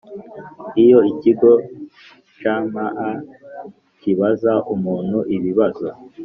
Iyo ikigo cma kibaza umuntu ibibazo